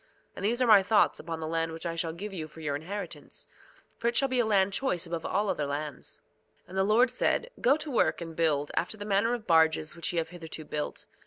And these are my thoughts upon the land which I shall give you for your inheritance; for it shall be a land choice above all other lands. 2:16 And the Lord said: Go to work and build, after the manner of barges which ye have hitherto built.